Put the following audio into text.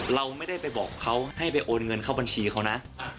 เราไม่ได้ไปบอกเขาให้ไปโอนเงินเข้าบัญชีเขานะ